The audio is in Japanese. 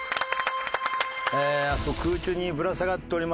あそこ空中にぶら下がっております